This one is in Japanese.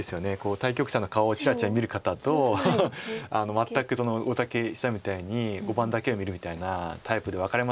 対局者の顔をちらちら見る方と全く大竹七段みたいに碁盤だけを見るみたいなタイプで分かれますよね。